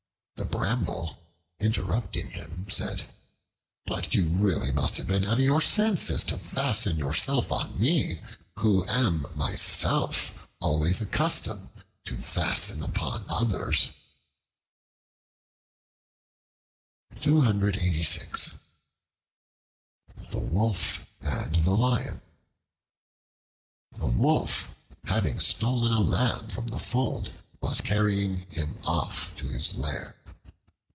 The Bramble, interrupting him, said, "But you really must have been out of your senses to fasten yourself on me, who am myself always accustomed to fasten upon others." The Wolf and the Lion A WOLF, having stolen a lamb from a fold, was carrying him off to his lair.